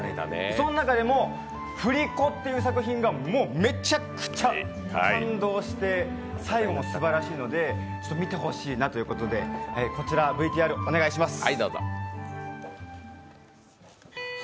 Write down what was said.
その中でも「振り子」って作品がめちゃくちゃ感動して最後もすばらしいので、見てほしいなということでこちらＶＴＲお願いします。